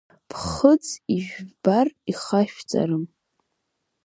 Ԥхыӡ ижәбар иахашәҵарым.